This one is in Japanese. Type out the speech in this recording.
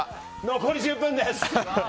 残り１０分です！